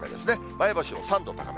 前橋も３度高め。